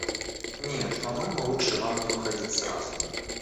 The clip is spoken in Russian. Нет, по-моему лучше вам не уходить сразу.